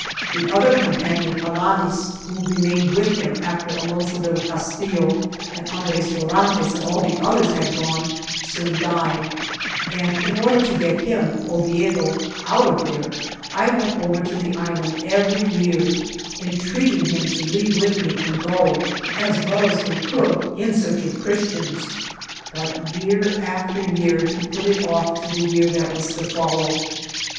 The other compan ion, Alaniz, who remained with him after Alonso del Castillo and Andres Dorantes and all the others had gone, soon died, and in order to get him (Oviedo) out of there, I went over to the island every year, entreat ing him to leave with me and go, as well as we could, in search of Christians. Eut year after year he put it off to the year that was to follow.